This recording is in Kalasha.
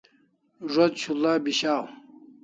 Zo't shul'a bis'aw